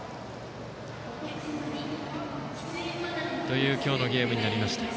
という今日のゲームになりました。